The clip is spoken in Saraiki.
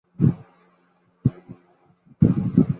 ڳالھ مہاڑ:فصلی ٻٹیرا